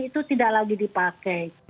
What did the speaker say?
itu tidak lagi dipakai